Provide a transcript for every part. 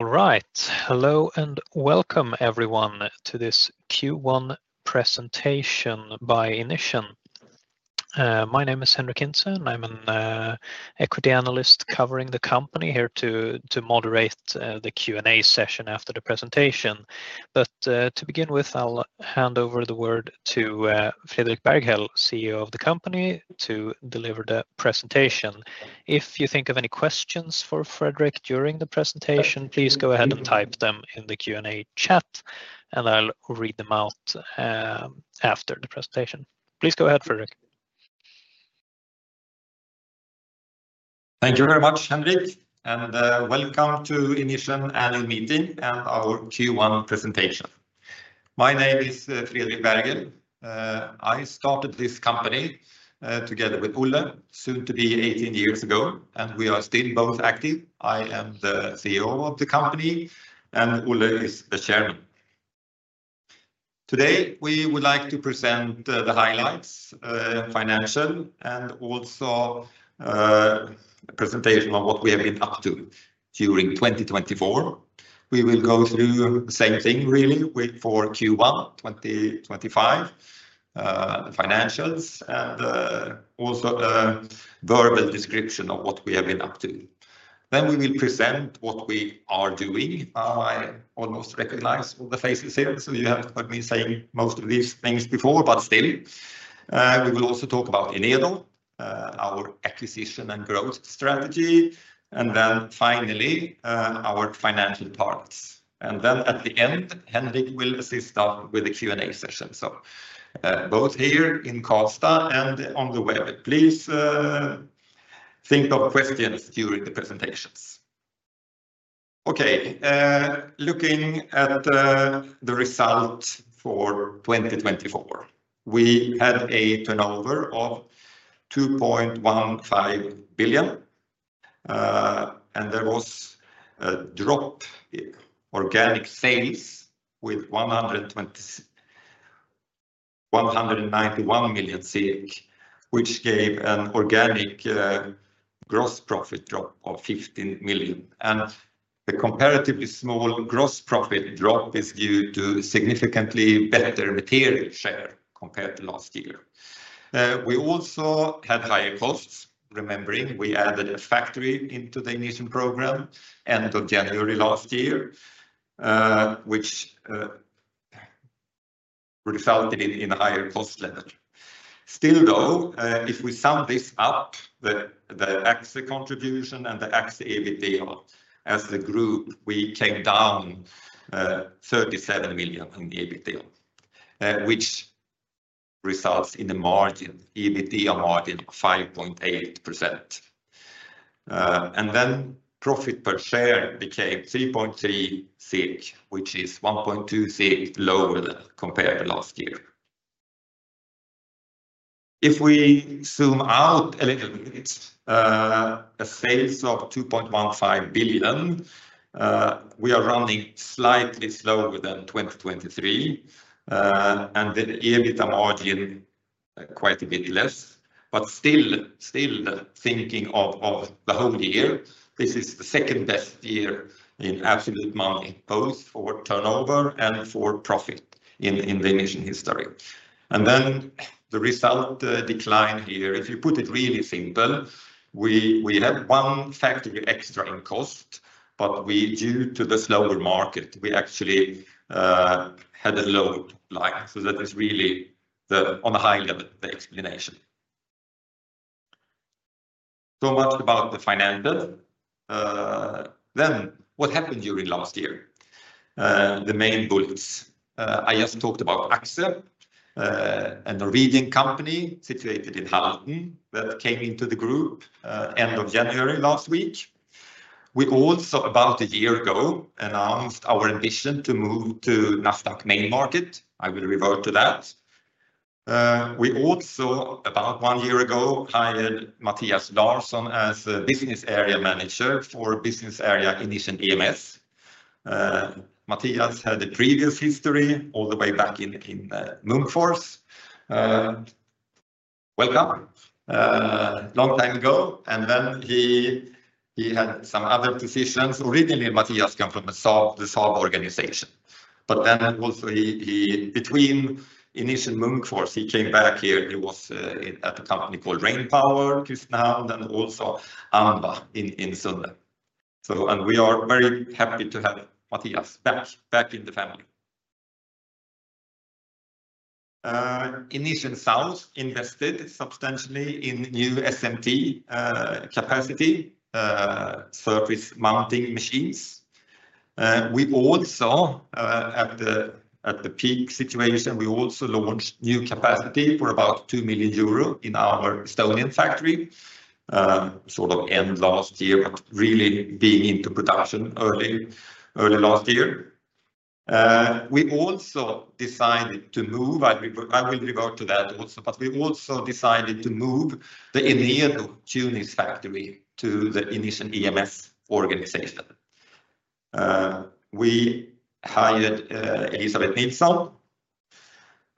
All right, hello and welcome everyone to this Q1 presentation by Inission. My name is Henric Hintze, and I'm an Equity Analyst covering the company here to moderate the Q&A session after the presentation. To begin with, I'll hand over the word to Fredrik Berghel, CEO of the company, to deliver the presentation. If you think of any questions for Fredrik during the presentation, please go ahead and type them in the Q&A chat, and I'll read them out after the presentation. Please go ahead, Fredrik. Thank you very much, Henrik, and welcome to Inission annual meeting and our Q1 presentation. My name is Fredrik Berghel. I started this company together with Olle, soon to be 18 years ago, and we are still both active. I am the CEO of the company, and Olle is the chairman. Today, we would like to present the highlights, financial, and also a presentation on what we have been up to during 2024. We will go through the same thing, really, for Q1 2025, the financials, and also a verbal description of what we have been up to. We will present what we are doing. I almost recognize all the faces here, so you have heard me saying most of these things before, but still. We will also talk about Enedo, our acquisition and growth strategy, and then finally our financial targets. And then at the end, Henrik will assist us with the Q&A session. Both here in Karlstad and on the web, please think of questions during the presentations. Okay, looking at the result for 2024, we had a turnover of 2.15 billion, and there was a drop in organic sales with 191 million, which gave an organic gross profit drop of 15 million. The comparatively small gross profit drop is due to significantly better material share compared to last year. We also had higher costs, remembering we added a factory into the Inission program end of January last year, which resulted in a higher cost level. Still, though, if we sum this up, the AXXE contribution and the AXXE EBITDA as a group, we came down 37 million in EBITDA, which results in a margin, EBITDA margin of 5.8%. Profit per share became 3.3, which is 1.2 lower than compared to last year. If we zoom out a little bit, a sales of 2.15 billion, we are running slightly slower than 2023, and the EBITDA margin quite a bit less. Still, thinking of the whole year, this is the second best year in absolute money both for turnover and for profit in the Inission history. The result decline here, if you put it really simple, we had one factory extra in cost, but due to the slower market, we actually had a low line. That is really on the high level, the explanation. So much about the financials. What happened during last year? The main bullets. I just talked about AXXE, a Norwegian company situated in Halden that came into the group end of January last week. We also, about a year ago, announced our ambition to move to the main market. I will revert to that. We also, about one year ago, hired Mathias Larsson as Business Area Manager for business area Inission EMS. Mathias had a previous history all the way back in Munkfors. Welcome. Long time ago. Then he had some other positions. Originally, Mathias came from the Saab organization. Also, between Inission Munkfors, he came back here. He was at a company called Rainpower, Kristinehamn, and also AnVa in Sunne. We are very happy to have Mathias back in the family. Inission South invested substantially in new SMT capacity, surface mounting machines. At the peak situation, we also launched new capacity for about 2 million euro in our Estonian factory, sort of end last year, but really being into production early last year. We also decided to move, I will revert to that also, but we also decided to move the Enedo Tunis factory to the Inission EMS organization. We hired Elisabeth Nilsson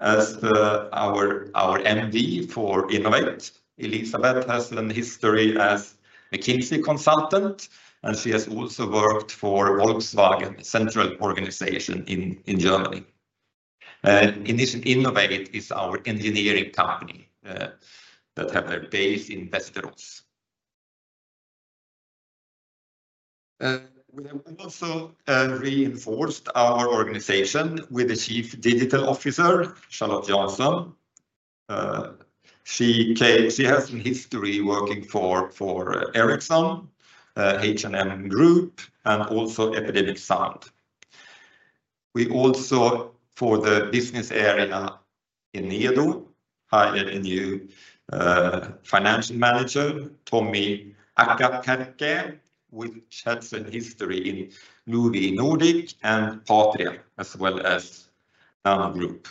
as our MD for Innovate. Elisabeth has a history as McKinsey consultant, and she has also worked for Volkswagen Central Organization in Germany. Inission Innovate is our engineering company that has their base in Västerås. We have also reinforced our organization with the Chief Digital Officer, Charlotte Johnson. She has a history working for Ericsson, H&M Group, and also Epidemic Sound. We also, for the business area Enedo, hired a new financial manager, Tommi Alakärppä, which has a history in Lu-Ve Nordics and Patria, as well as Nano Group.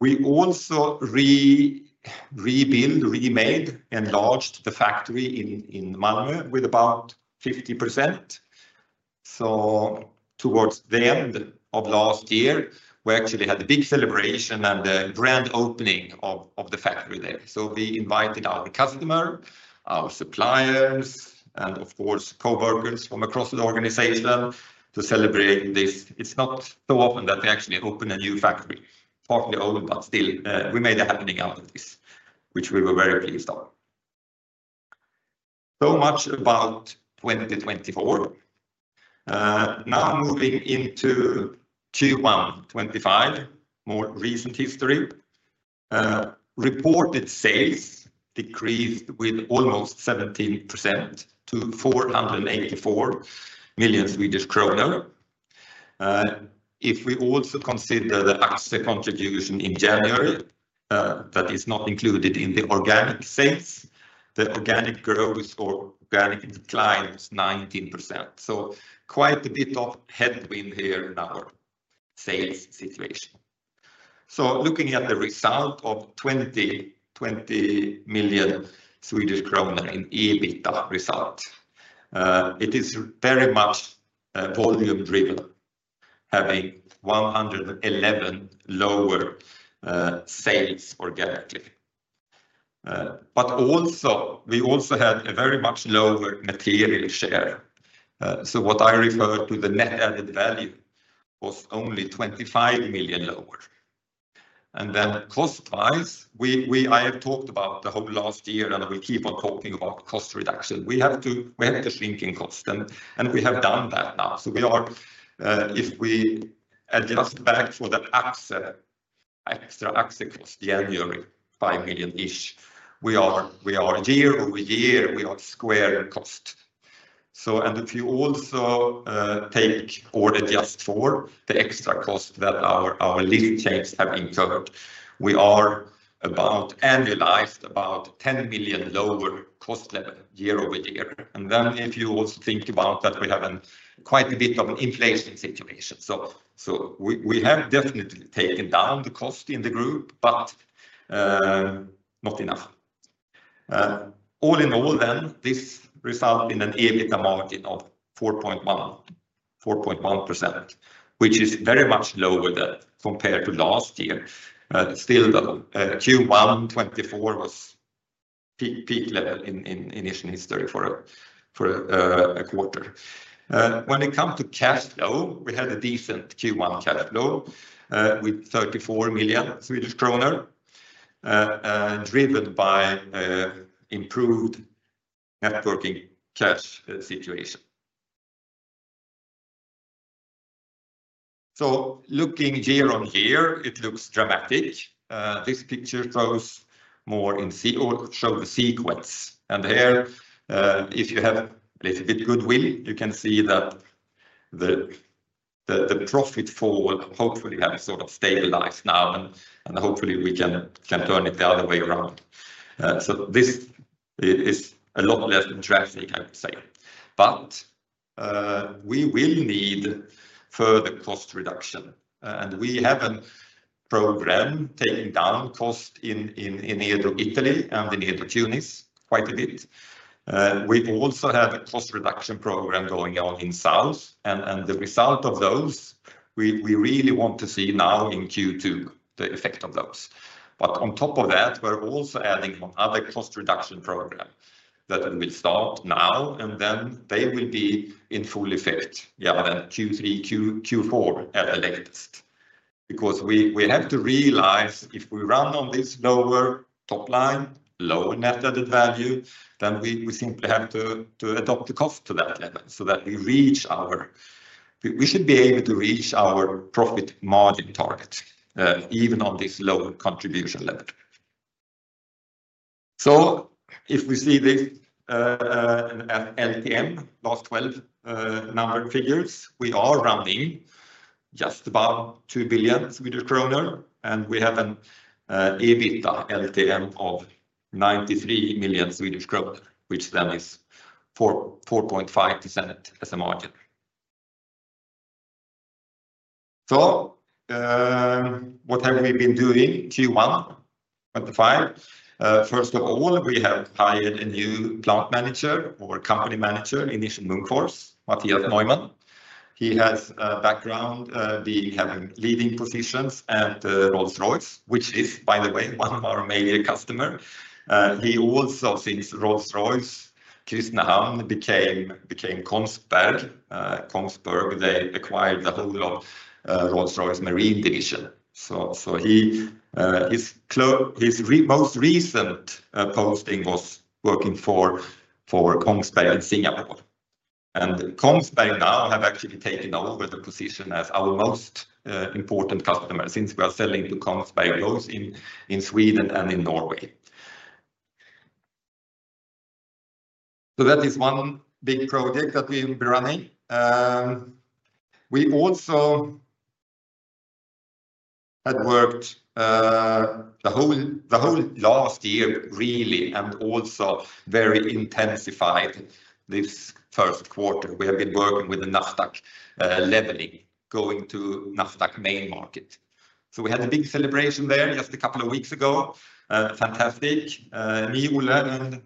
We also rebuilt, remade, enlarged the factory in Malmö with about 50%. Towards the end of last year, we actually had a big celebration and a grand opening of the factory there. We invited our customers, our suppliers, and of course, coworkers from across the organization to celebrate this. It's not so often that we actually open a new factory, partly old, but still, we made a happening out of this, which we were very pleased of. Much about 2024. Now moving into Q1 2025, more recent history. Reported sales decreased with almost 17% to SEK 484 million. If we also consider the AXXE contribution in January, that is not included in the organic sales, the organic growth or organic decline was 19%. Quite a bit of headwind here in our sales situation. Looking at the result of 20 million Swedish kronor in EBITDA result, it is very much volume-driven, having 111 lower sales organically. We also had a very much lower material share. What I refer to as the net added value was only 25 million lower. Cost-wise, I have talked about the whole last year, and we keep on talking about cost reduction. We have to shrink in cost, and we have done that now. If we adjust back for the extra AXXE cost, January, 5 million-ish, we are year over year, we are square in cost. If you also take or adjust for the extra cost that our lift chains have incurred, we are about annualized about 10 million lower cost level year over year. If you also think about that, we have quite a bit of an inflation situation. We have definitely taken down the cost in the group, but not enough. All in all then, this resulted in an EBITDA margin of 4.1%, which is very much lower than compared to last year. Still, Q1 2024 was peak level in Inission history for a quarter. When it comes to cash flow, we had a decent Q1 cash flow with 34 million Swedish kronor, driven by improved networking cash situation. Looking year on year, it looks dramatic. This picture shows the sequence. If you have a little bit of goodwill, you can see that the profit fall hopefully has sort of stabilized now, and hopefully we can turn it the other way around. This is a lot less than tragic, I would say. We will need further cost reduction. We have a program taking down cost in Enedo Italy and Enedo Tunis quite a bit. We also have a cost reduction program going on in South. The result of those, we really want to see now in Q2, the effect of those. On top of that, we're also adding on other cost reduction programs that will start now, and they will be in full effect, yeah, Q3, Q4 at the latest. We have to realize if we run on this lower top line, lower net added value, then we simply have to adopt the cost to that level so that we reach our—we should be able to reach our profit margin target even on this low contribution level. If we see this LTM, last 12 numbered figures, we are running just about 2 billion Swedish kronor, and we have an EBITDA LTM of 93 million Swedish kronor, which then is 4.5% as a margin. What have we been doing Q1 2025? First of all, we have hired a new plant manager or company manager in Inission Munkfors, Mathias Neumann. He has a background being having leading positions at Rolls-Royce, which is, by the way, one of our major customers. He also, since Rolls-Royce Kristinehamn became KONGSBERG. KONGSBERG, they acquired the whole of Rolls-Royce marine division. His most recent posting was working for KONGSBERG in Singapore. KONGSBERG now have actually taken over the position as our most important customer since we are selling to KONGSBERG both in Sweden and in Norway. That is one big project that we've been running. We also had worked the whole last year really and also very intensified this first quarter. We have been working with the Nasdaq leveling, going to Nasdaq main market. We had a big celebration there just a couple of weeks ago. Fantastic. and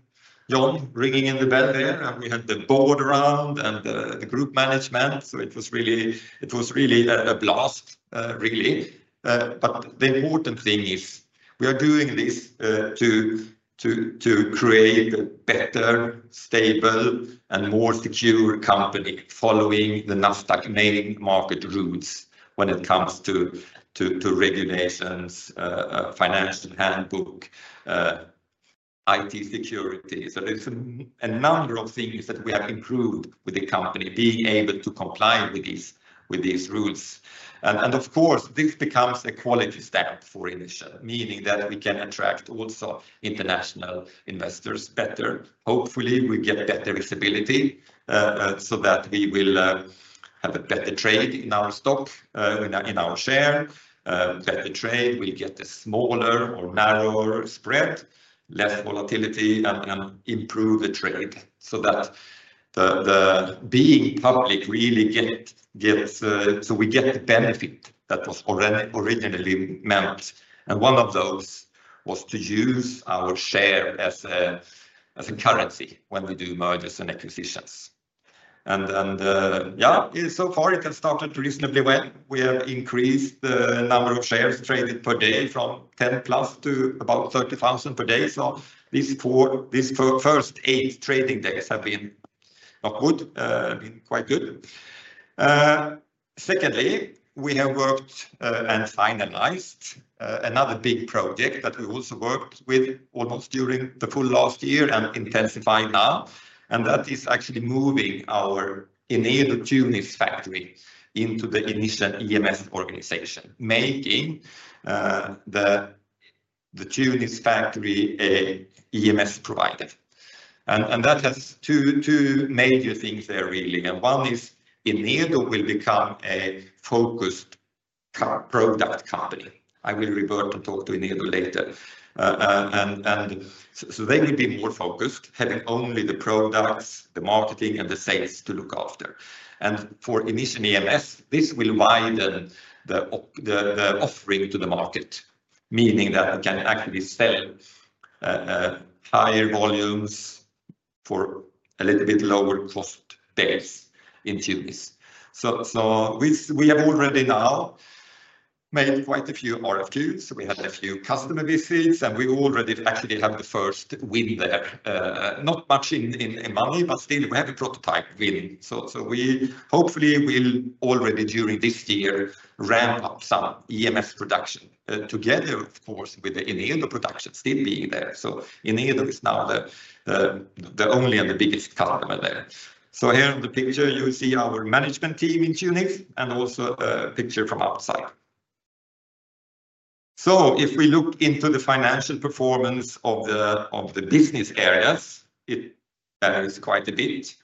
John ringing in the bell there. We had the board around and the group management. It was really a blast, really. The important thing is we are doing this to create a better, stable, and more secure company following the Nasdaq main market rules when it comes to regulations, financial handbook, IT security. There are a number of things that we have improved with the company being able to comply with these rules. Of course, this becomes a quality standard for Inission, meaning that we can attract also international investors better. Hopefully, we get better visibility so that we will have a better trade in our stock, in our share. Better trade, we get a smaller or narrower spread, less volatility, and improve the trade so that being public really gets—so we get the benefit that was originally meant. One of those was to use our share as a currency when we do mergers and acquisitions. Yeah, so far it has started reasonably well. We have increased the number of shares traded per day from 10+ to about 30,000 per day. These first eight trading days have been not good, been quite good. Secondly, we have worked and finalized another big project that we also worked with almost during the full last year and intensifying now. That is actually moving our Enedo Tunis factory into the Inission EMS organization, making the Tunis factory EMS provided. That has two major things there really. One is Enedo will become a focused product company. I will revert and talk to Enedo later. They will be more focused, having only the products, the marketing, and the sales to look after. For Inission EMS, this will widen the offering to the market, meaning that we can actually sell higher volumes for a little bit lower cost base in Tunis. We have already now made quite a few RFQs. We had a few customer visits, and we already actually have the first win there. Not much in money, but still we have a prototype win. We hopefully will already during this year ramp up some EMS production together, of course, with the Enedo production still being there. Enedo is now the only and the biggest customer there. Here on the picture, you will see our management team in Tunis and also a picture from outside. If we look into the financial performance of the business areas, it varies quite a bit.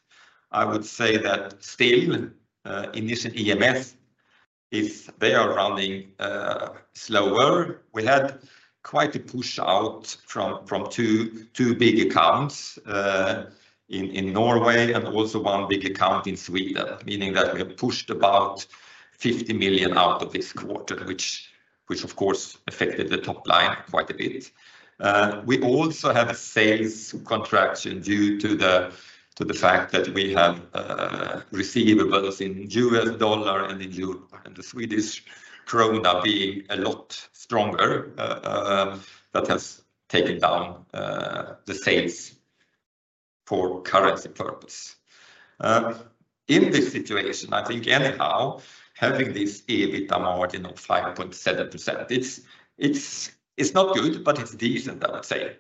I would say that still Inission EMS, they are running slower. We had quite a push out from two big accounts in Norway and also one big account in Sweden, meaning that we have pushed about 50 million out of this quarter, which of course affected the top line quite a bit. We also have sales contraction due to the fact that we have receivables in U.S. dollar and in Swedish krona being a lot stronger. That has taken down the sales for currency purpose. In this situation, I think anyhow, having this EBITDA margin of 5.7%, it's not good, but it's decent, I would say.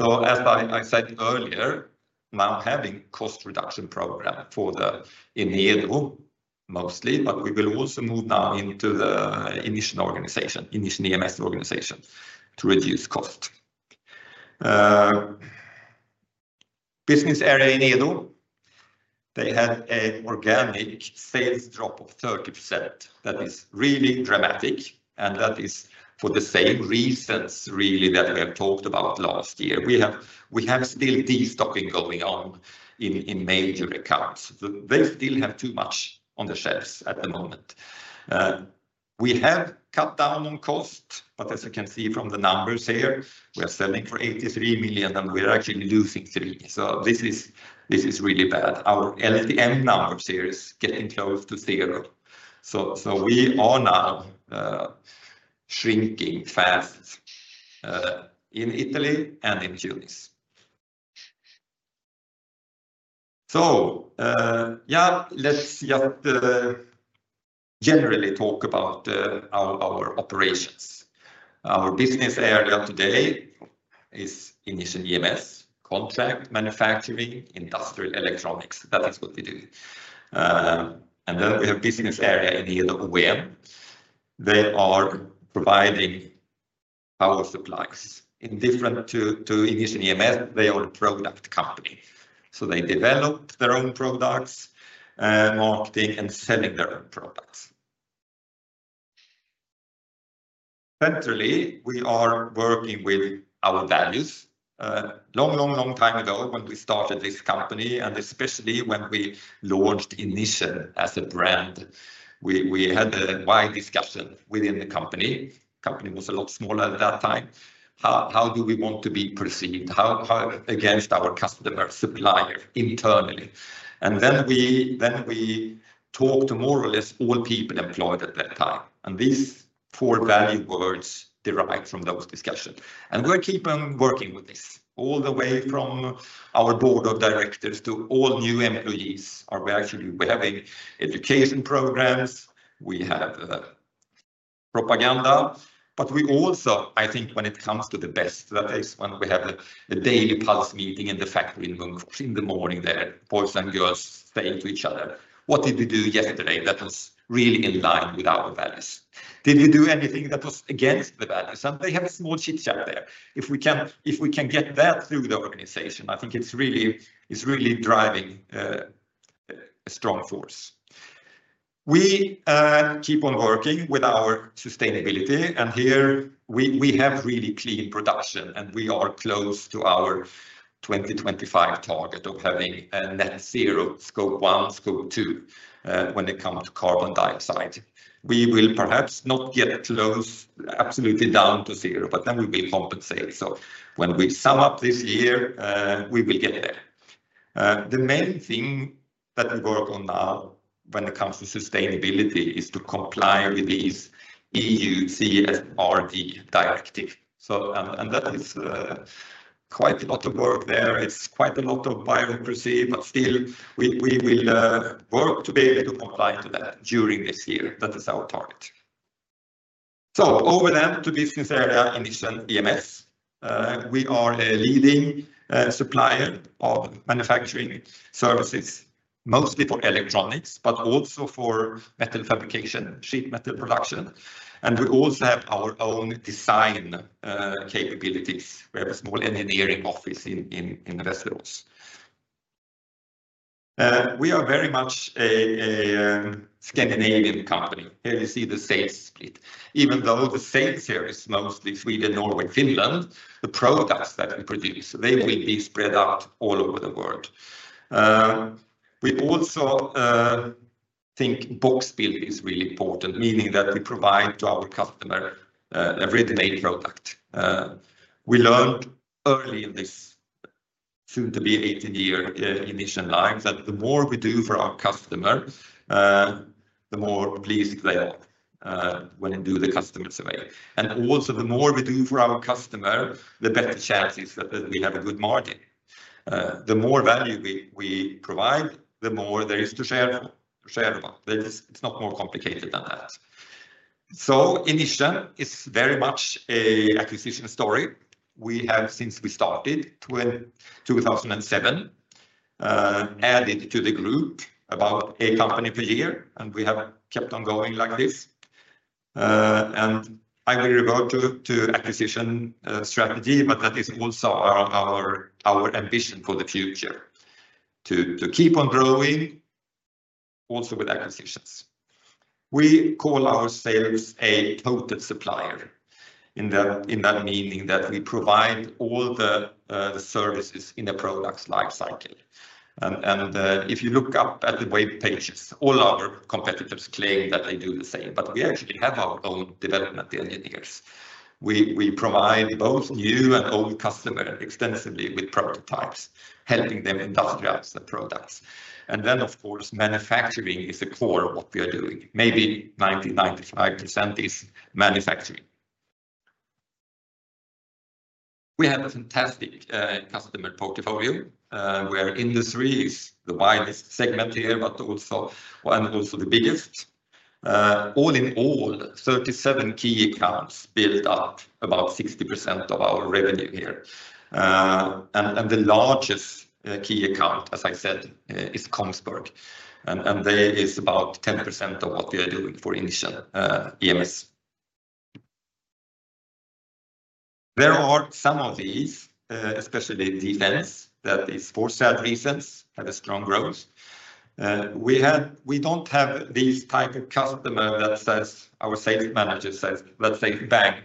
As I said earlier, now having a cost reduction program for the Enedo mostly, but we will also move now into the Inission EMS organization to reduce cost. Business area Enedo, they had an organic sales drop of 30%. That is really dramatic. That is for the same reasons really that we have talked about last year. We have still de-stocking going on in major accounts. They still have too much on the shelves at the moment. We have cut down on cost, but as you can see from the numbers here, we are selling for 83 million, and we are actually losing 3 million. This is really bad. Our LTM number series is getting close to zero. We are now shrinking fast in Italy and in Tunis. Let's just generally talk about our operations. Our business area today is Inission EMS, contract manufacturing, industrial electronics. That is what we do. We have business area Enedo OEM. They are providing power supplies. Different to Inission EMS, they are a product company. They develop their own products, marketing, and selling their own products. Centrally, we are working with our values. Long, long, long time ago when we started this company, and especially when we launched Inission as a brand, we had a wide discussion within the company. The company was a lot smaller at that time. How do we want to be perceived against our customer, supplier, internally? We talked to more or less all people employed at that time. These four value words derived from those discussions. We are keeping working with this all the way from our board of directors to all new employees. We are actually having education programs. We have propaganda. We also, I think when it comes to the best, that is when we have a daily pulse meeting in the factory in Munkfors in the morning there, boys and girls saying to each other, "What did we do yesterday that was really in line with our values? Did we do anything that was against the values?" They have a small chit chat there. If we can get that through the organization, I think it is really driving a strong force. We keep on working with our sustainability. Here we have really clean production, and we are close to our 2025 target of having net zero, scope one, scope two when it comes to carbon dioxide. We will perhaps not get close, absolutely down to zero, but then we will compensate. When we sum up this year, we will get there. The main thing that we work on now when it comes to sustainability is to comply with these EU CSRD directives. That is quite a lot of work there. It's quite a lot of bureaucracy, but still we will work to be able to comply to that during this year. That is our target. Over then to business area Inission EMS. We are a leading supplier of manufacturing services, mostly for electronics, but also for metal fabrication, sheet metal production. We also have our own design capabilities. We have a small engineering office in Västerås. We are very much a Scandinavian company. Here you see the sales split. Even though the sales here is mostly Sweden, Norway, Finland, the products that we produce, they will be spread out all over the world. We also think box build is really important, meaning that we provide to our customer a ready-made product. We learned early in this soon-to-be 18-year Inission life that the more we do for our customer, the more pleased they are when we do the customer survey. Also, the more we do for our customer, the better chances that we have a good margin. The more value we provide, the more there is to share about. It's not more complicated than that. Inission is very much an acquisition story. We have, since we started in 2007, added to the group about a company per year, and we have kept on going like this. I will revert to acquisition strategy, but that is also our ambition for the future to keep on growing also with acquisitions. We call ourselves a total supplier in that meaning that we provide all the services in the product's lifecycle. If you look up at the web pages, all our competitors claim that they do the same, but we actually have our own development engineers. We provide both new and old customers extensively with prototypes, helping them industrialize the products. Of course, manufacturing is a core of what we are doing. Maybe 90%-95% is manufacturing. We have a fantastic customer portfolio. Our industry is the widest segment here, but also the biggest. All in all, 37 key accounts build up about 60% of our revenue here. The largest key account, as I said, is KONGSBERG. There is about 10% of what we are doing for Inission EMS. There are some of these, especially defense, that is for sad reasons, have a strong growth. We do not have these type of customer that says our sales manager says, "Let's say bang,"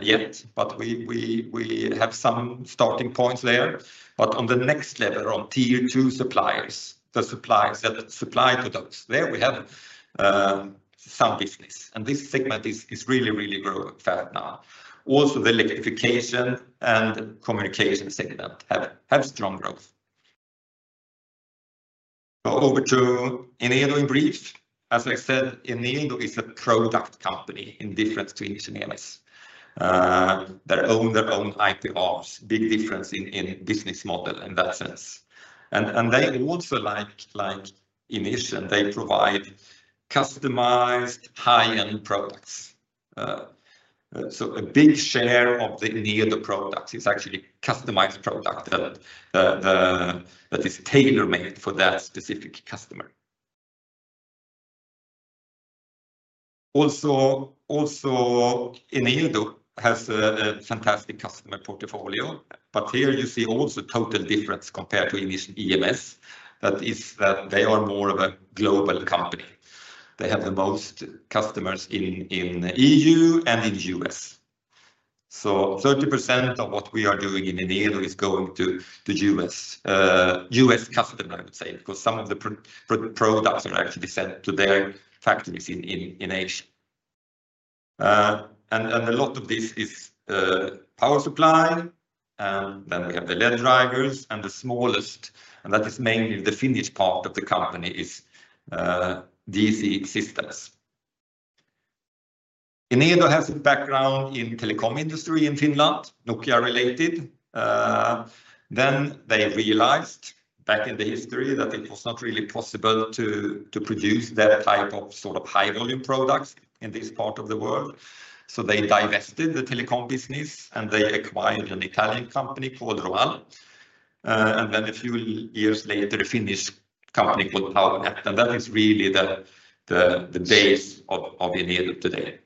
yet. We have some starting points there. On the next level, on tier two suppliers, the suppliers that supply to those, there we have some business. This segment is really, really growing fast now. Also, the electrification and communication segment have strong growth. Over to Enedo in brief. As I said, Enedo is a product company in difference to Inission EMS. They own their own IPRs, big difference in business model in that sense. They also, like Inission, provide customized high-end products. A big share of the Enedo products is actually customized product that is tailor-made for that specific customer. Also, Enedo has a fantastic customer portfolio. Here you see also total difference compared to Inission EMS. That is that they are more of a global company. They have the most customers in the EU and in the U.S. 30% of what we are doing in Enedo is going to U.S. customers, I would say, because some of the products are actually sent to their factories in Asia. A lot of this is power supply. We have the LED drivers and the smallest, and that is mainly the Finnish part of the company, is DC systems. Enedo has a background in telecom industry in Finland, Nokia related. They realized back in the history that it was not really possible to produce that type of sort of high-volume products in this part of the world. They divested the telecom business and they acquired an Italian company called ROAL. A few years later, a Finnish company called Powernet. That is really the base of Enedo today.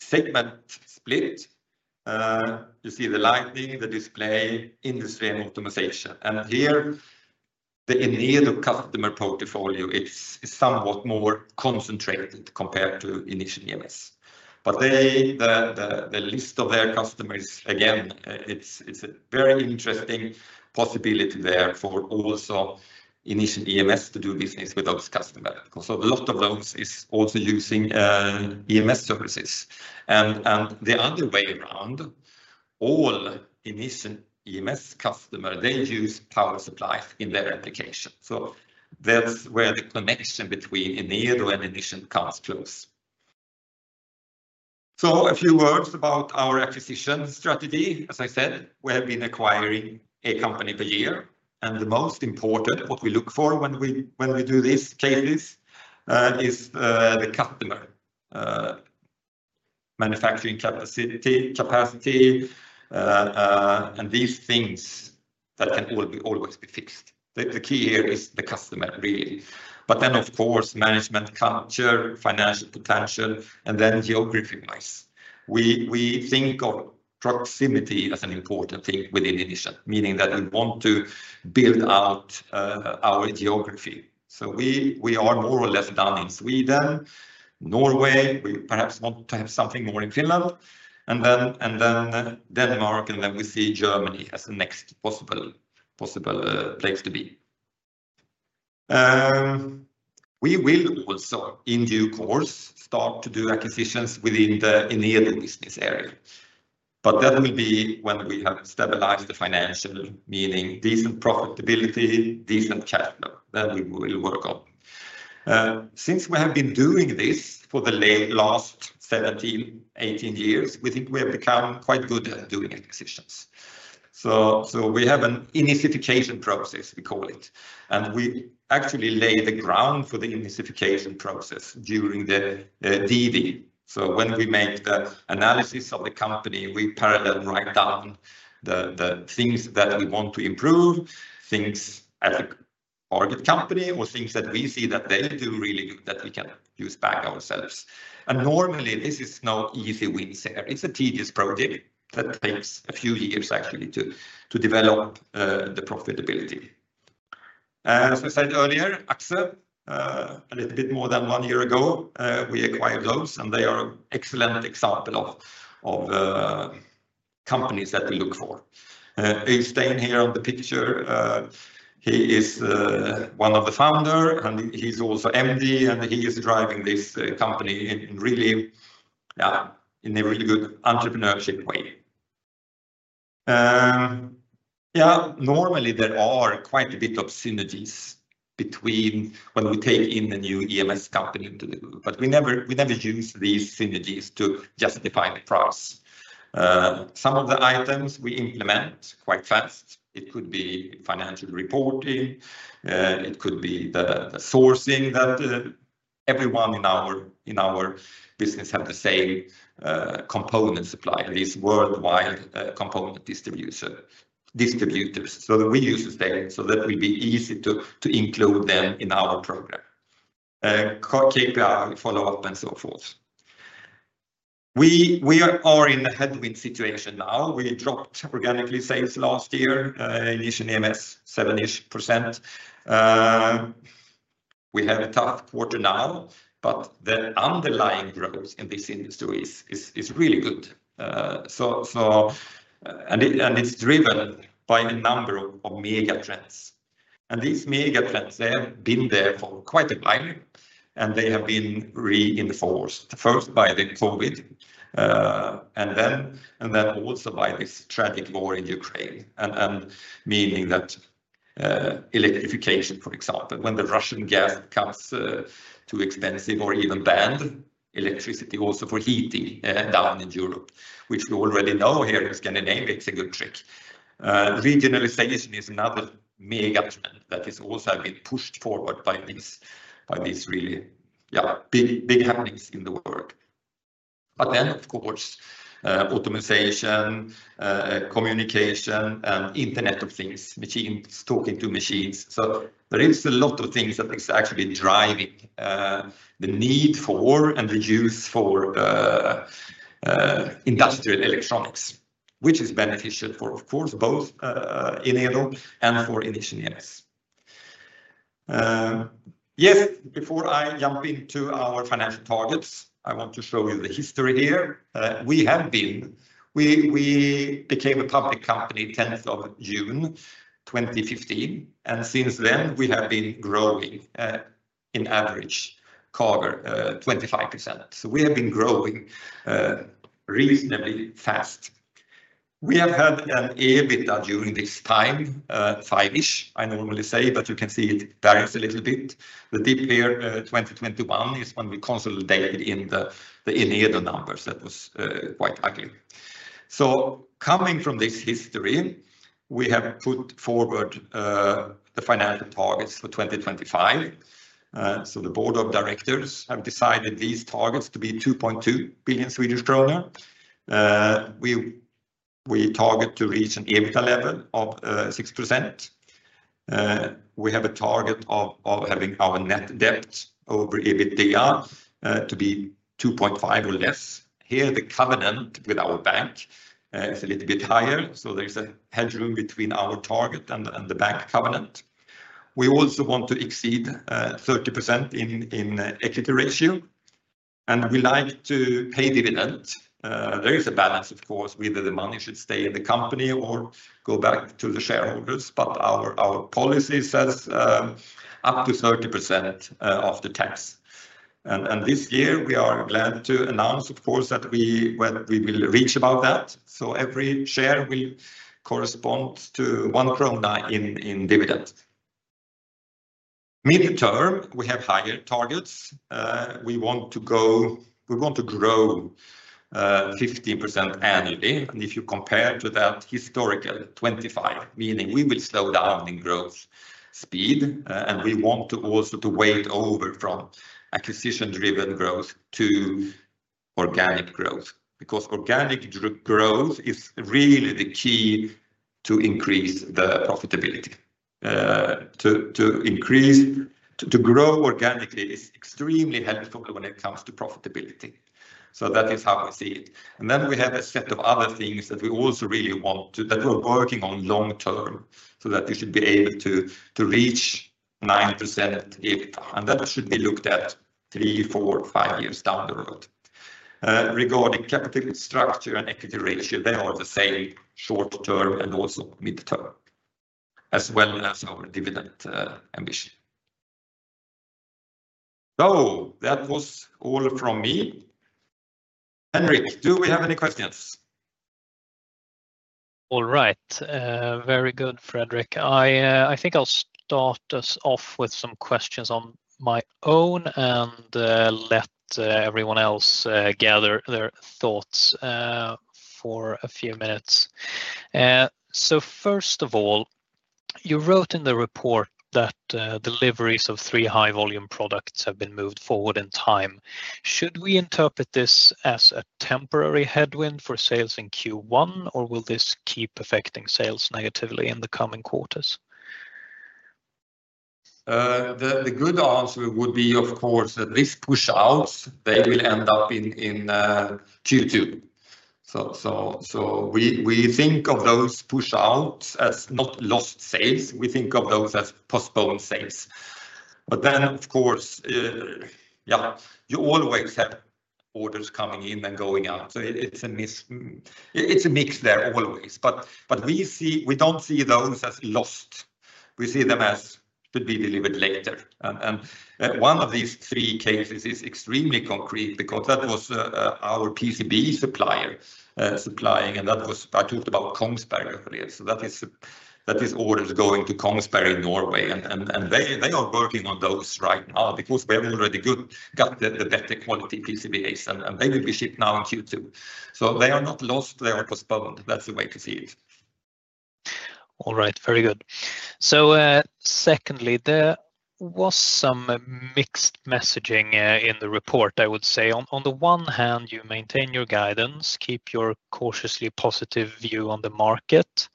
Segment split. You see the lighting, the display, industry, and optimization. Here the Enedo customer portfolio is somewhat more concentrated compared to Inission EMS. The list of their customers, again, it's a very interesting possibility there for also Inission EMS to do business with those customers. A lot of those are also using EMS services. The other way around, all Inission EMS customers, they use power supplies in their application. That's where the connection between Enedo and Inission comes close. A few words about our acquisition strategy. As I said, we have been acquiring a company per year. The most important thing we look for when we do these cases is the customer. Manufacturing capacity and these things can always be fixed. The key here is the customer, really. Then, of course, management culture, financial potential, and then geography-wise. We think of proximity as an important thing within Inission, meaning that we want to build out our geography. We are more or less done in Sweden, Norway. We perhaps want to have something more in Finland. Denmark, and then we see Germany as the next possible place to be. We will also, in due course, start to do acquisitions within the Enedo business area. That will be when we have stabilized the financial, meaning decent profitability, decent cash flow. We will work on. Since we have been doing this for the last 17 years-18 years, we think we have become quite good at doing acquisitions. We have an electrification process, we call it. We actually lay the ground for the electrification process during the DV. When we make the analysis of the company, we parallel write down the things that we want to improve, things as a target company, or things that we see that they do really good that we can use back ourselves. Normally, this is no easy win there. It is a tedious project that takes a few years actually to develop the profitability. As I said earlier, AXXE, a little bit more than one year ago, we acquired those, and they are an excellent example of companies that we look for. Einstein here on the picture, he is one of the founders, and he is also MD, and he is driving this company in really a really good entrepreneurship way. Yeah, normally there are quite a bit of synergies between when we take in a new EMS company to do, but we never use these synergies to justify the price. Some of the items we implement quite fast. It could be financial reporting. It could be the sourcing that everyone in our business has the same component supplier, these worldwide component distributors. We use the same so that it would be easy to include them in our program. KPI, follow-up, and so forth. We are in a headwind situation now. We dropped organically sales last year, Inission EMS, 7% ish. We have a tough quarter now, but the underlying growth in this industry is really good. It is driven by a number of mega trends. These mega trends, they have been there for quite a while, and they have been reinforced first by COVID, and then also by this tragic war in Ukraine, meaning that electrification, for example, when the Russian gas becomes too expensive or even banned, electricity also for heating down in Europe, which we already know here in Scandinavia, it's a good trick. Regionalization is another mega trend that has also been pushed forward by these really big happenings in the world. Of course, optimization, communication, and internet of things, machines talking to machines. There is a lot of things that is actually driving the need for and the use for industrial electronics, which is beneficial for, of course, both Enedo and for Inission EMS. Yes, before I jump into our financial targets, I want to show you the history here. We became a public company 10th of June 2015, and since then, we have been growing in average cover 25%. So we have been growing reasonably fast. We have had an EBITDA during this time, five-ish, I normally say, but you can see it varies a little bit. The dip here 2021 is when we consolidated in the Enedo numbers. That was quite ugly. Coming from this history, we have put forward the financial targets for 2025. The board of directors have decided these targets to be 2.2 billion Swedish kronor. We target to reach an EBITDA level of 6%. We have a target of having our net debt over EBITDA to be 2.5 or less. Here, the covenant with our bank is a little bit higher. There is a hedge room between our target and the bank covenant. We also want to exceed 30% in equity ratio. We like to pay dividends. There is a balance, of course, whether the money should stay in the company or go back to the shareholders. Our policy says up to 30% after tax. This year, we are glad to announce, of course, that we will reach about that. Every share will correspond to 1 krona in dividend. Midterm, we have higher targets. We want to grow 15% annually. If you compare to that historical 25%, meaning we will slow down in growth speed. We want to also wait over from acquisition-driven growth to organic growth because organic growth is really the key to increase the profitability. To grow organically is extremely helpful when it comes to profitability. That is how we see it. Then we have a set of other things that we also really want to, that we're working on long term, so that we should be able to reach 9% EBITDA. That should be looked at three, four, five years down the road. Regarding capital structure and equity ratio, they are the same short term and also midterm, as well as our dividend ambition. That was all from me. Henrik, do we have any questions? All right. Very good, Fredrik. I think I'll start us off with some questions on my own and let everyone else gather their thoughts for a few minutes. First of all, you wrote in the report that deliveries of three high-volume products have been moved forward in time. Should we interpret this as a temporary headwind for sales in Q1, or will this keep affecting sales negatively in the coming quarters? The good answer would be, of course, that these push-outs, they will end up in Q2. We think of those push-outs as not lost sales. We think of those as postponed sales. Of course, you always have orders coming in and going out. It is a mix there always. We do not see those as lost. We see them as should be delivered later. One of these three cases is extremely concrete because that was our PCB supplier supplying, and that was I talked about KONGSBERG earlier. That is orders going to KONGSBERG in Norway. They are working on those right now because we have already got the better quality PCBs, and they will be shipped now in Q2. They are not lost. They are postponed. That is the way to see it. All right. Very good. Secondly, there was some mixed messaging in the report, I would say. On the one hand, you maintain your guidance, keep your cautiously positive view on the market.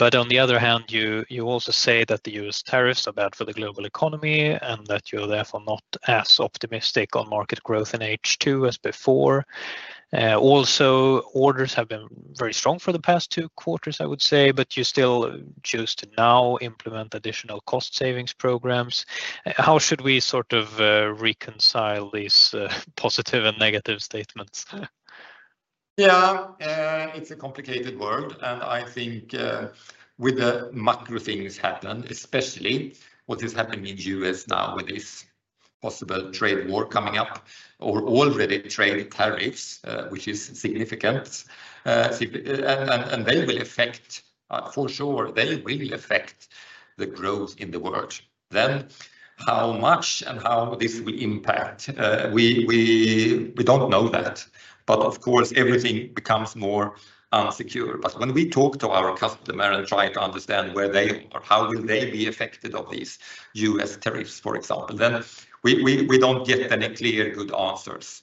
On the other hand, you also say that the U.S. tariffs are bad for the global economy and that you are therefore not as optimistic on market growth in H2 as before. Also, orders have been very strong for the past two quarters, I would say, but you still choose to now implement additional cost savings programs. How should we sort of reconcile these positive and negative statements? Yeah, it is a complicated world. I think with the macro things happening, especially what is happening in the U.S. now with this possible trade war coming up or already trade tariffs, which is significant. They will affect, for sure, they will affect the growth in the world. How much and how this will impact, we do not know. Of course, everything becomes more unsecure. When we talk to our customer and try to understand where they are, how they will be affected by these U.S. tariffs, for example, we do not get any clear good answers.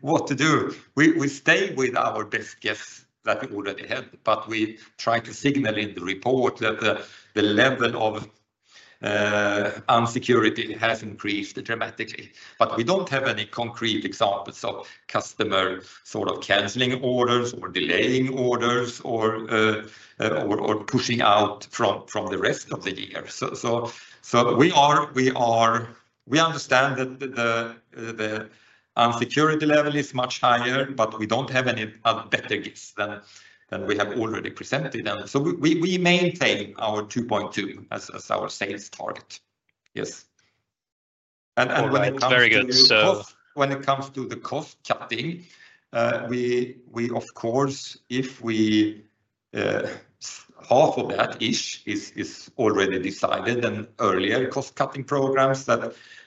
What to do? We stay with our best guess that we already had, but we try to signal in the report that the level of unsecurity has increased dramatically. We do not have any concrete examples of customer canceling orders or delaying orders or pushing out from the rest of the year. We understand that the unsecurity level is much higher, but we do not have any better guess than we have already presented. We maintain our 2.2 billion as our sales target. Yes. When it comes to the cost, when it comes to the cost cutting, we, of course, if half of that ish is already decided and earlier cost cutting programs that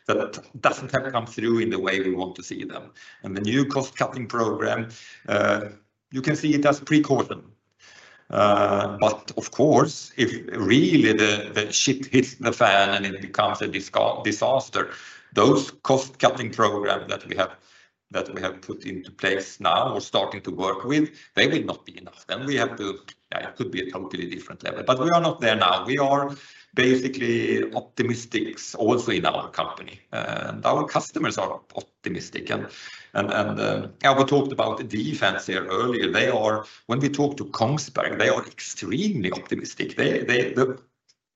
have not come through in the way we want to see them. The new cost cutting program, you can see it as precaution. Of course, if really the ship hits the fan and it becomes a disaster, those cost cutting programs that we have put into place now or are starting to work with, they will not be enough. We have to, yeah, it could be a totally different level. We are not there now. We are basically optimistic also in our company. Our customers are optimistic. We talked about Defence here earlier. When we talk to KONGSBERG, they are extremely optimistic. The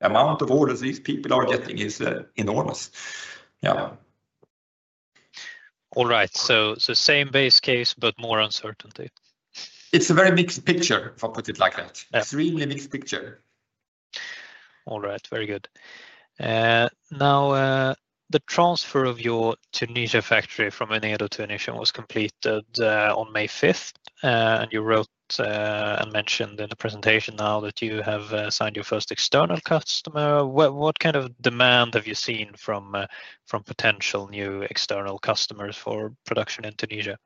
amount of orders these people are getting is enormous. Yeah. All right. Same base case, but more uncertainty. It's a very mixed picture, if I put it like that. Extremely mixed picture. All right. Very good. Now, the transfer of your Tunis factory from Enedo to Inission was completed on May 5th. You wrote and mentioned in the presentation now that you have signed your first external customer. What kind of demand have you seen from potential new external customers for production in Tunis?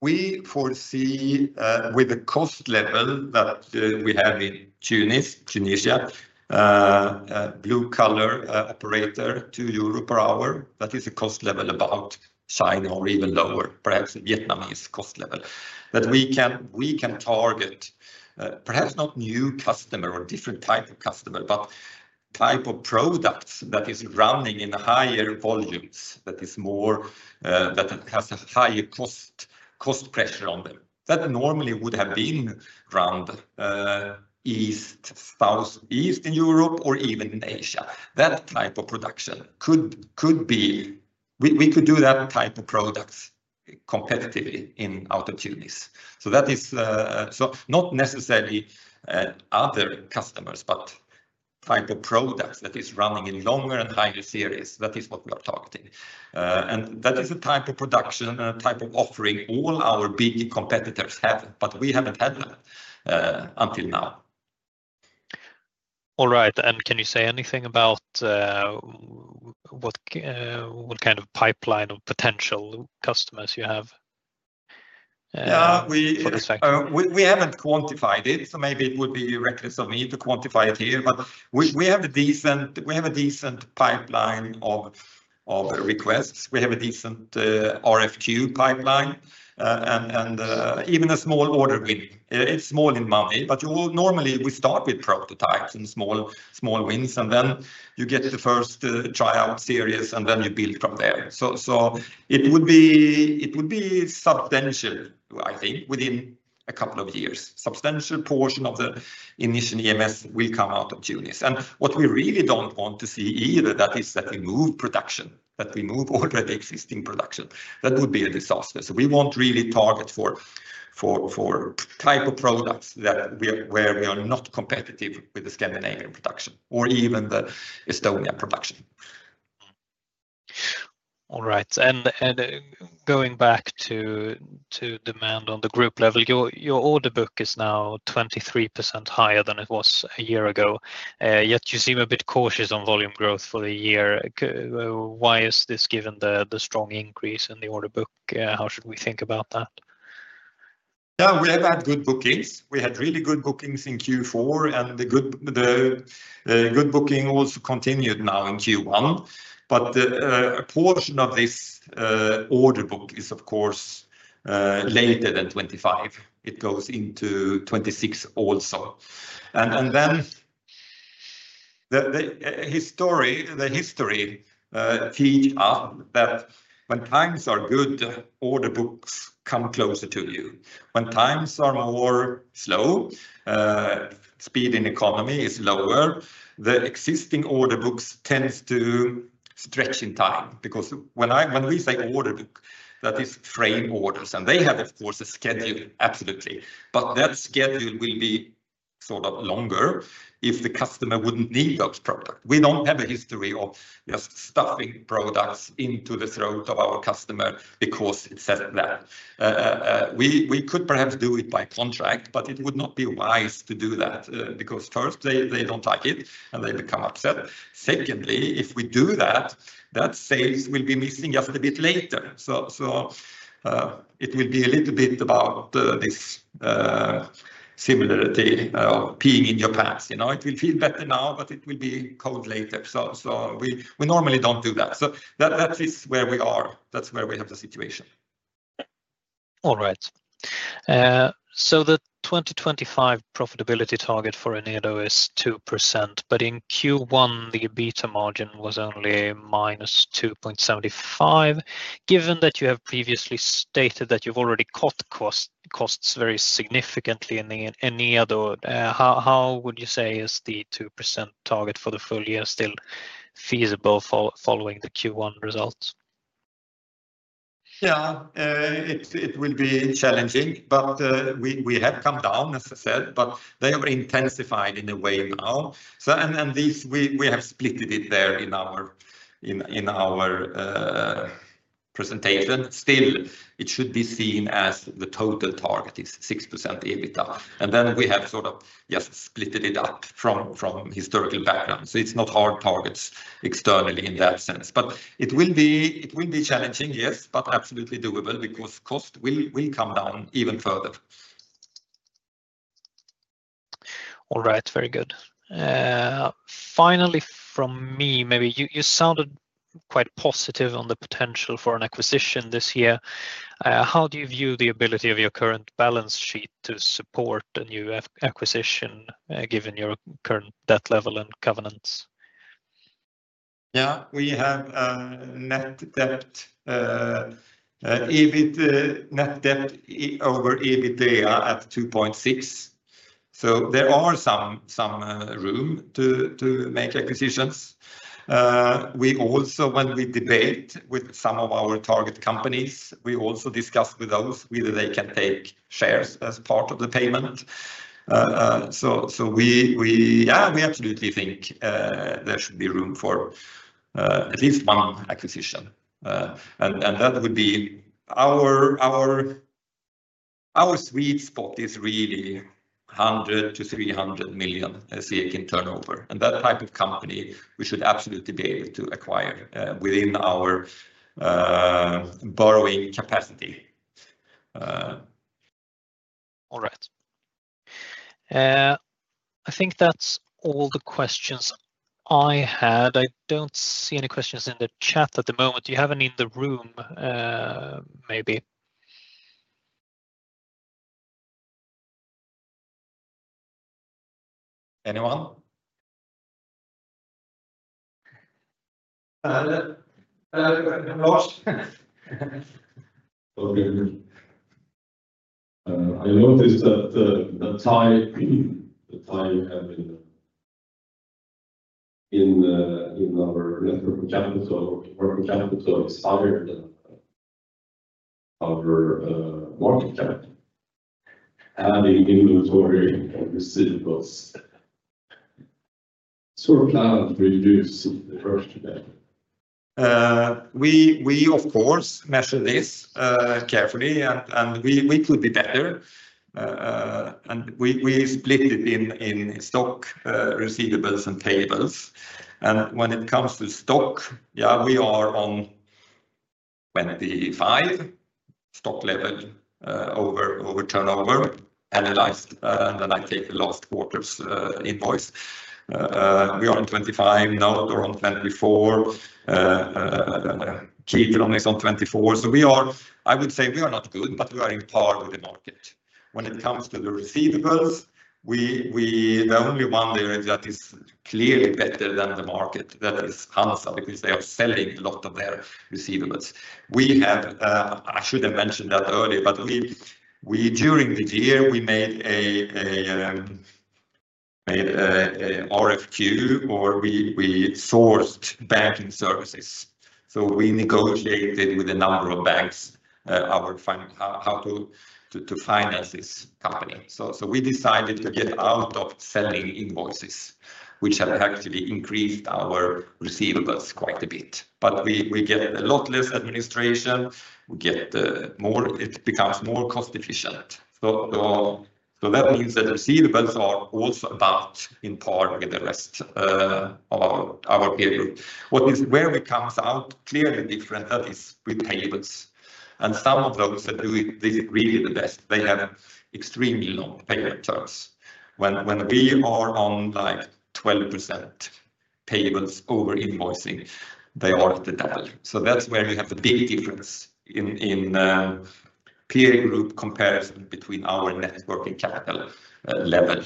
We foresee with the cost level that we have in Tunis, blue collar operator, 2 euro per hour. That is a cost level about China or even lower, perhaps Vietnamese cost level, that we can target, perhaps not new customer or different type of customer, but type of products that is running in higher volumes, that is more that has a higher cost pressure on them. That normally would have been around East, South, East in Europe, or even in Asia. That type of production could be, we could do that type of products competitively out of Tunis. Not necessarily other customers, but type of products that is running in longer and higher series. That is what we are targeting. That is a type of production and a type of offering all our big competitors have, but we have not had that until now. All right. Can you say anything about what kind of pipeline of potential customers you have for this factory? We have not quantified it. Maybe it would be reckless of me to quantify it here. We have a decent pipeline of requests. We have a decent RFQ pipeline. Even a small order win, it is small in money, but normally we start with prototypes and small wins. You get the first tryout series, and then you build from there. It would be substantial, I think, within a couple of years. A substantial portion of the initial EMS will come out of Tunis. What we really do not want to see either is that we move production, that we move already existing production. That would be a disaster. We will not really target for type of products where we are not competitive with the Scandinavian production or even the Estonia production. All right. Going back to demand on the group level, your order book is now 23% higher than it was a year ago. Yet you seem a bit cautious on volume growth for the year. Why is this given the strong increase in the order book? How should we think about that? Yeah, we have had good bookings. We had really good bookings in Q4, and the good booking also continued now in Q1. A portion of this order book is, of course, later than 2025. It goes into 2026 also. History teaches us that when times are good, order books come closer to you. When times are more slow, speed in economy is lower, the existing order books tend to stretch in time. When we say order book, that is frame orders. They have, of course, a schedule, absolutely. That schedule will be sort of longer if the customer would not need those products. We do not have a history of just stuffing products into the throat of our customer because it says that. We could perhaps do it by contract, but it would not be wise to do that because first, they do not like it, and they become upset. Secondly, if we do that, that sales will be missing just a bit later. It will be a little bit about this similarity of peeing in your pants. It will feel better now, but it will be cold later. We normally do not do that. That is where we are. That is where we have the situation. All right. The 2025 profitability target for Enedo is 2%. In Q1, the EBITDA margin was only -2.75%. Given that you have previously stated that you have already cut costs very significantly in Enedo, how would you say is the 2% target for the full year still feasible following the Q1 results? Yeah, it will be challenging, but we have come down, as I said, but they have intensified in a way now. We have split it there in our presentation. Still, it should be seen as the total target is 6% EBITDA. And then we have sort of just split it up from historical background. So it's not hard targets externally in that sense. But it will be challenging, yes, but absolutely doable because cost will come down even further. All right. Very good. Finally, from me, maybe you sounded quite positive on the potential for an acquisition this year. How do you view the ability of your current balance sheet to support a new acquisition given your current debt level and covenants? Yeah, we have net debt over EBITDA at 2.6. So there are some room to make acquisitions. When we debate with some of our target companies, we also discuss with those whether they can take shares as part of the payment. So yeah, we absolutely think there should be room for at least one acquisition. That would be our sweet spot is really 100 million-300 million in turnover. That type of company, we should absolutely be able to acquire within our borrowing capacity. All right. I think that's all the questions I had. I do not see any questions in the chat at the moment. Do you have any in the room, maybe? Anyone? I noticed that the tie in our networking capital or working capital expired on our market cap. Adding inventory and receivables, sort of plan to reduce the first. We, of course, measure this carefully, and we could be better. We split it in stock, receivables, and payables. When it comes to stock, we are on 25% stock level over turnover, annualized, and then I take the last quarter's invoice. We are on 25% now. We were on 24%. [Chevron] is on 24%. I would say we are not good, but we are in par with the market. When it comes to the receivables, the only one there that is clearly better than the market, that is HANZA, because they are selling a lot of their receivables. I should have mentioned that earlier, but during this year, we made an RFQ, or we sourced banking services. We negotiated with a number of banks how to finance this company. We decided to get out of selling invoices, which have actually increased our receivables quite a bit. We get a lot less administration. It becomes more cost-efficient. That means that receivables are also about in par with the rest of our payables. Where it comes out clearly different, that is with payables. Some of those that do it really the best, they have extremely long payment terms. When we are on like 12% payables over invoicing, they are at the double. That's where you have a big difference in peer group comparison between our networking capital level.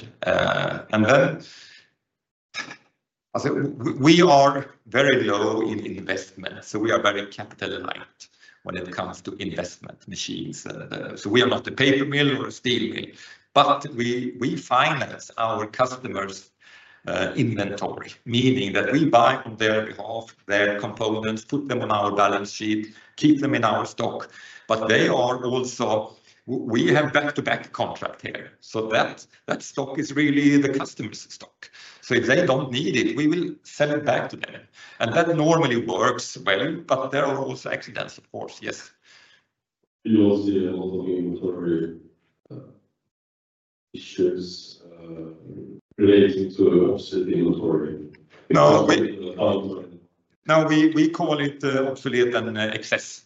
Then we are very low in investment. We are very capital aligned when it comes to investment machines. We are not a paper mill or a steel mill. We finance our customers' inventory, meaning that we buy on their behalf, their components, put them on our balance sheet, keep them in our stock. We have back-to-back contract here. That stock is really the customer's stock. If they do not need it, we will sell it back to them. That normally works well, but there are also accidents, of course, yes. You also see a lot of inventory issues related to offset inventory. No, we call it obsolete and excess.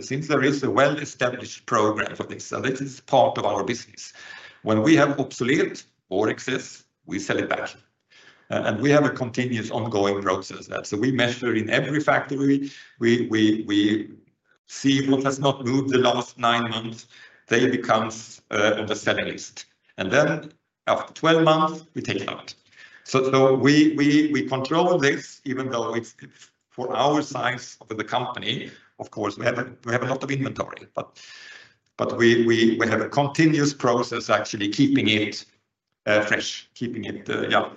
Since there is a well-established program for this, and this is part of our business, when we have obsolete or excess, we sell it back. We have a continuous ongoing process. We measure in every factory. We see what has not moved the last nine months. They become on the selling list. After 12 months, we take it out. We control this, even though for our size of the company, of course, we have a lot of inventory. We have a continuous process actually keeping it fresh, keeping it young.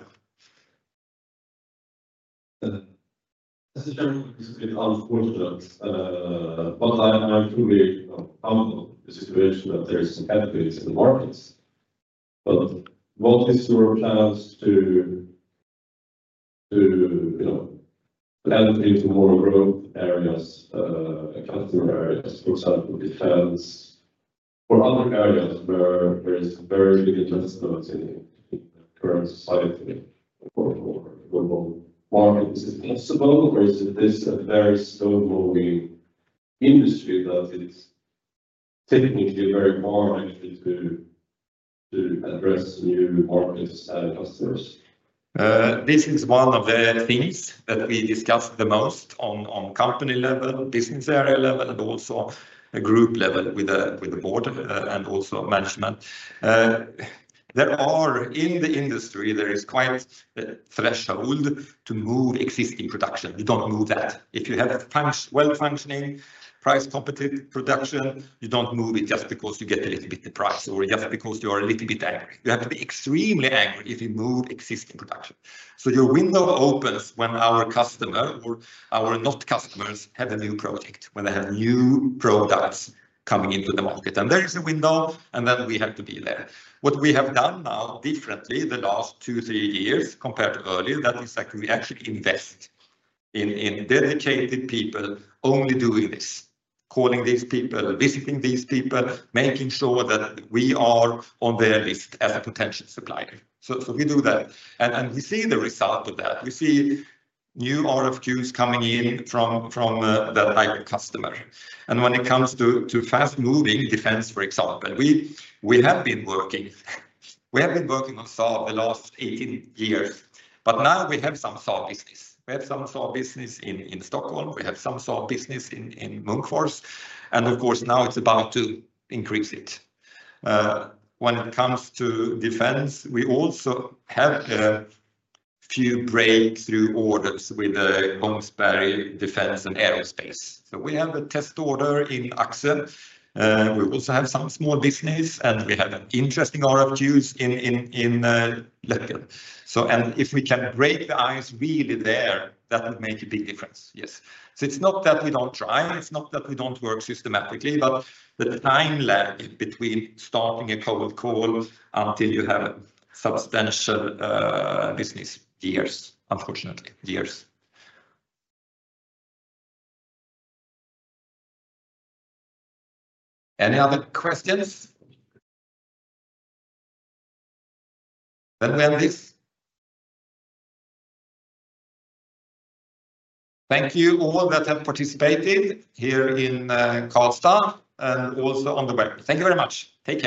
This is a bit unfortunate, but I'm truly comfortable with the situation that there are some headwinds in the markets. What is your plan to blend into more growth areas, customer areas, for example, defense, or other areas where there is very big investment in the current society or global market? Is it possible, or is this a very slow-moving industry that is technically very hard actually to address new markets and customers? This is one of the things that we discuss the most on company level, business area level, and also group level with the board and also management. In the industry, there is quite a threshold to move existing production. You don't move that. If you have well-functioning, price-competitive production, you don't move it just because you get a little bit of price or just because you are a little bit angry. You have to be extremely angry if you move existing production. Your window opens when our customer or our not customers have a new project, when they have new products coming into the market. There is a window, and then we have to be there. What we have done now differently the last two, three years compared to earlier, that is that we actually invest in dedicated people only doing this, calling these people, visiting these people, making sure that we are on their list as a potential supplier. We do that. We see the result of that. We see new RFQs coming in from that type of customer. When it comes to fast-moving defense, for example, we have been working on [SAR] the last 18 years. Now we have some [SAR] business. We have some [SAR] business in Stockholm. We have some [SAR] business in Munkfors. Of course, now it's about to increase it. When it comes to defense, we also have a few breakthrough orders with KONGSBERG Defense and Aerospace. We have a test order in AXXE. We also have some small business, and we have interesting RFQs in Løkken. If we can break the ice really there, that would make a big difference, yes. It is not that we do not try. It is not that we do not work systematically, but the timeline between starting a cold call until you have substantial business is, unfortunately, years. Any other questions? We end this. Thank you all that have participated here in Karlstad and also on the web. Thank you very much. Take care.